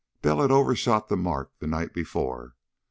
Bell had overshot the mark the night before.